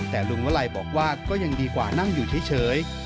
แต่ลุงวลัยบอกว่าก็ยังดีกว่านั่งอยู่เฉย